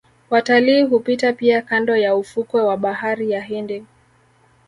Watalii hupita pia kando ya ufukwe wa bahari ya Hindi